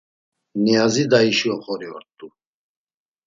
Niyazi Dayişi oxori ort̆u.